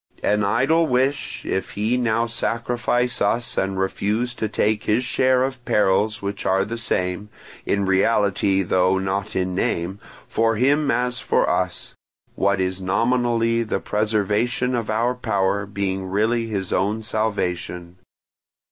An idle wish, if he now sacrifice us and refuse to take his share of perils which are the same, in reality though not in name, for him as for us; what is nominally the preservation of our power being really his own salvation.